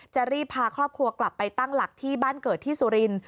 จะรีบพาครอบครัวกลับไปตั้งหลักที่บ้านเกิดที่สุรินทร์